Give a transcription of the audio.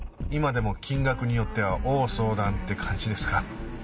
今でも金額によっては応相談って感じですか？